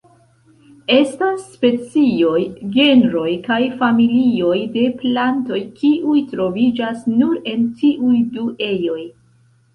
Estas specioj, genroj, kaj familioj de plantoj kiuj troviĝas nur en tiuj du ejoj.